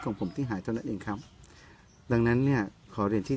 ของผมที่หายเท่านั้นเองครับดังนั้นเนี่ยขอเรียนที่